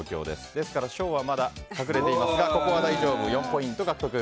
ですから小はまだ隠れていますが４ポイント獲得。